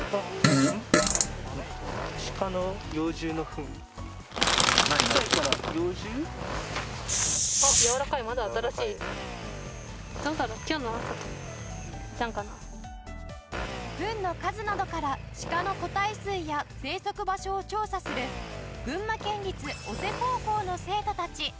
ふんの数などからシカの個体数や生息場所を調査する群馬県立尾瀬高校の生徒たち。